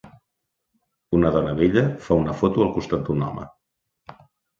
una dona vella fa una foto al costat d'un home